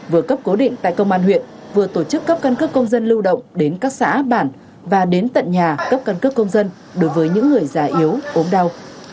vừa cấp cố định tại công an huyện vừa tổ chức cấp cân cấp công dân lưu động đến các xã bản và đến tận nhà cấp cân cấp công dân đối với những người già yếu ốm đau